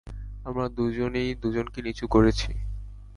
আমরা দুজনেই দুজনকে নীচু করছি।